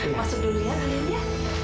masuk dulu ya kalian ya